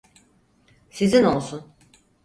Sizin olsun.